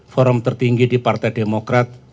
forum tertinggi di partai demokrat